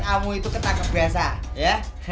kamu itu ketangkep biasa ya